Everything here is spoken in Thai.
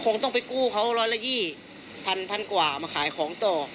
ก็คงต้องไปกู้เขาร้อยละ๒๐๑๐๐๐๑๐๐๐กว่ามาขายของต่อ